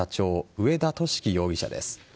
上田敏樹容疑者です。